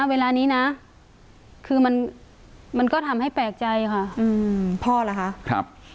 เวลานี้น่ะคือมันมันก็ทำให้แปลกใจค่ะอืมพ่อล่ะค่ะครับ